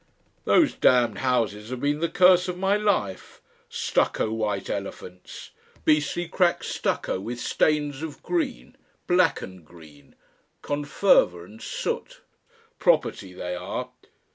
"Those damned houses have been the curse of my life. Stucco white elephants! Beastly cracked stucco with stains of green black and green. Conferva and soot.... Property, they are!...